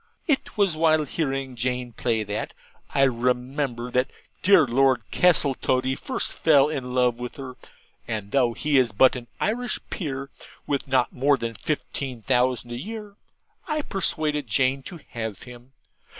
It was while hearing Jane play that, I remember, that dear Lord Castletoddy first fell in love with her; and though he is but an Irish Peer, with not more than fifteen thousand a year, I persuaded Jane to have him.